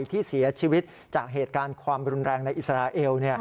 ที่เสียชีวิตจากเหตุการณ์ความรุนแรงในอิสราเอล